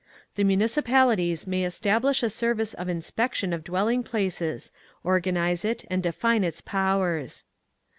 The Municipalities may establish a service of inspection of dwelling places, organise it and define its powers.